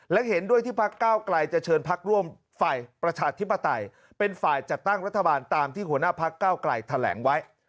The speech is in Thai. และเห็นด้วยที่พักเก้าไกลจะเชิญพักร่วมฝ่ายประชาธิปไตยเป็นฝ่ายจัดตั้งรัฐบาลตามที่หัวหน้าพักเก้าไกลแถลงไว้